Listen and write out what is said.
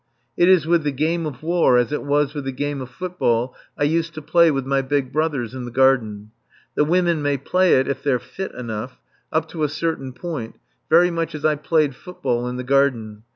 It is with the game of war as it was with the game of football I used to play with my big brothers in the garden. The women may play it if they're fit enough, up to a certain point, very much as I played football in the garden.